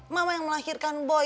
mama yang melahirkan boy